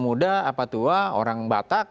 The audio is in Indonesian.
muda apa tua orang batak